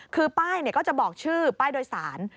คือป้ายก็จะบอกชื่อป้ายโดยสาร